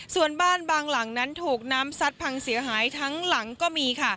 ส่วนบ้านบางหลังนั้นถูกน้ำซัดพังเสียหายทั้งหลังก็มีค่ะ